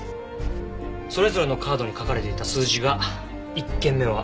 それぞれのカードに書かれていた数字が１件目は２。